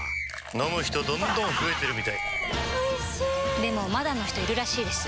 飲む人どんどん増えてるみたいおいしでもまだの人いるらしいですよ